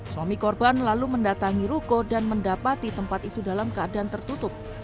suami korban lalu mendatangi ruko dan mendapati tempat itu dalam keadaan tertutup